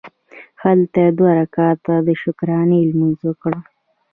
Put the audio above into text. هلته یې دوه رکعته د شکرانې لمونځ وکړ.